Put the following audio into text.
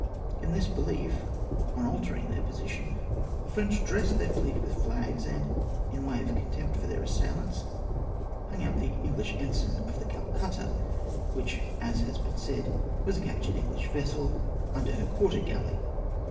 In this behef, on altering their position, the French dressed theu^ fleet with flags, and, by way of contempt for their assailants, hung out the Enghsh ensign of the Calcutta — which, as has been said, was a cap tured Enghsh vessel — under her quarter gallery